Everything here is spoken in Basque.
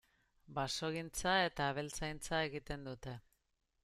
Basogintza eta abeltzaintza egiten dute.